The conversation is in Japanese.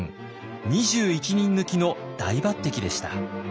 ２１人抜きの大抜擢でした。